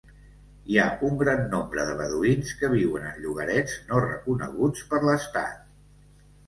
Hi ha un gran nombre de beduïns que viuen en llogarets no reconeguts per l'estat.